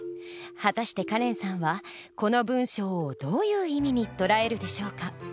果たしてカレンさんはこの文章をどういう意味に捉えるでしょうか？